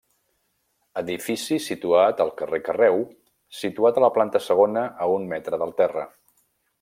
Edifici situat al carrer Carreu situat a la planta segona a un metre del terra.